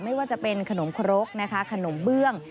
ไม่ว่าจะเป็นขนมครกนะคะขนมเบื้อง